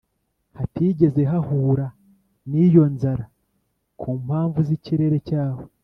hatigeze hahura n’iyo nzara ku mpamvu z’ikirere cyaho.